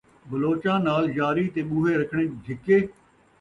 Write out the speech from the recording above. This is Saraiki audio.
بلوچاں نال یاری تے ٻوہے رکھݨے جھکے